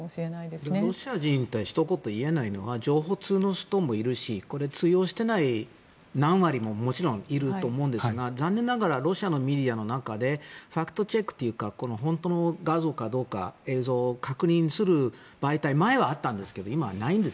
でも、ロシア人ってひと言で言えないのは情報通の人もいるしこれ、通用していない何割ももちろんいると思うんですが残念ながらロシアのメディアの中でファクトチェックというか本当の画像かどうか映像を確認する媒体前はあったんですが今はないんです。